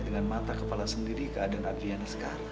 tante aku mau minta uang lima ratus juta